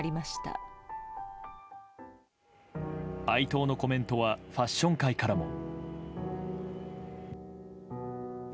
哀悼のコメントはファッション界からも。